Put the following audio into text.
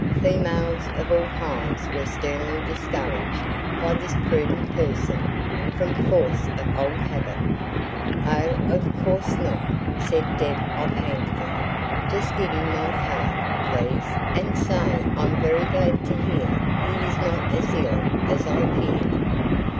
Females of all kinds were sternly discouraged by this prudent person, from force of old habit. "Oh, of course not," said Deb off handedly. "Just give him my card, please, and say I'm very glad to hear he is not as ill as I feared."